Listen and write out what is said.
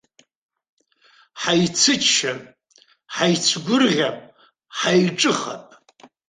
Ҳаицыччап, ҳаицгәырӷьап, ҳаиҿыхап.